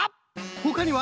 ほかには？